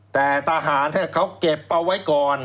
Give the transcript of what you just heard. แต่ทหารเขาเก็บเอาไว้ก่อน